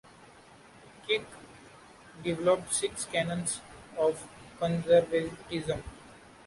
Kirk developed six "canons" of conservatism.